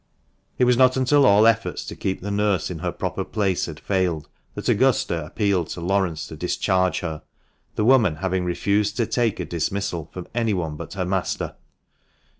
. It was not until all efforts to keep the nurse in her proper place had failed, that Augusta appealed to Laurence to discharge her, the woman having refused to take a dismissal from anyone but her master.